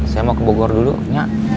saya mau ke bogor dulu nak